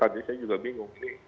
tadi saya juga bingung